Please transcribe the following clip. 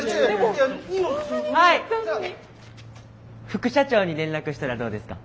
副社長に連絡したらどうですか？